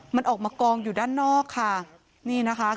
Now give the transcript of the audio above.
มันออกมากองอยู่ด้านนอกค่ะ